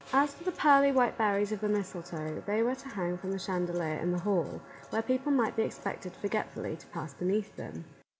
As for the pearly white berries of the mistletoe, they were to hang from the chandelier in the hall, where people might be expected forgetfully to pass beneath them.